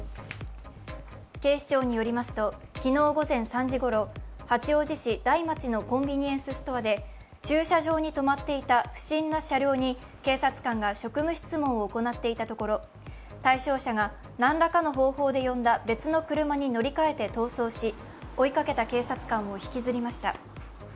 警視庁によりますと昨日午前３時ごろ、八王子市台町のコンビニエンスストアで駐車場に止まっていた不審な車両に警察官が職務質問を行っていたところ対象者が何らかの方法で呼んだ別の車に乗り換えて逃走し追いかけた警察官を引きずりました。